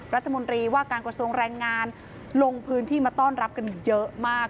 รัฐมนตรีว่าการกระทรวงแรงงานลงพื้นที่มาต้อนรับกันเยอะมาก